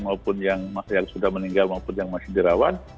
maupun yang sudah meninggal maupun yang masih dirawat